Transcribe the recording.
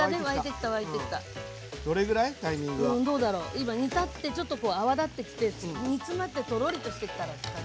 今煮立ってちょっと泡立ってきて煮詰まってとろりとしてきたらって感じ。